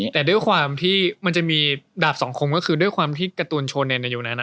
แต่ด้วยความที่มันจะมีดาบสองคมก็คือด้วยความที่การ์ตูนโชเนนในยุคนั้น